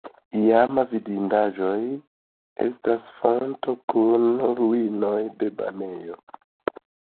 Iama vidindaĵo estas fonto kun ruinoj de banejo.